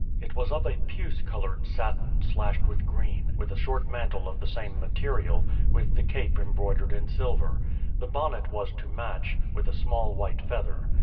It was of a puce coloured satin, slashed with green, with a short mantle of the same material, with the cape embroidered in silver. The bonnet was to match, with a small white feather.